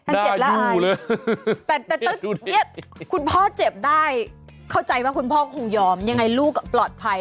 น่าอยู่เลยคุณพ่อเจ็บได้เข้าใจว่าคุณพ่อคงยอมยังไงลูกปลอดภัย